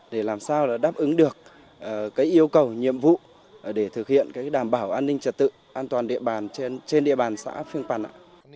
để làm sao đáp ứng được yêu cầu nhiệm vụ để thực hiện đảm bảo an ninh trật tự an toàn địa bàn trên địa bàn xã phiêng bản